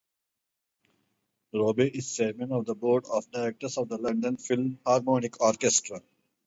Robey is chairman of the board of directors of the London Philharmonic Orchestra.